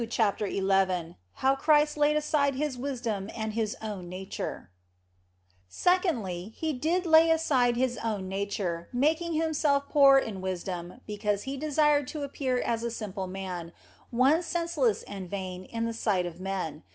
CHAPTER XI HOW CHRIST LAID ASIDE HIS WISDOM AND HIS OWN NATURE SECONDLY, He did lay aside His own nature, making Himself poor in wisdom because He desired to appear as a simple man, one senseless and vain in the sight of men.